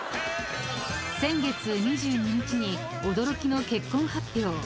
［先月２２日に驚きの結婚発表］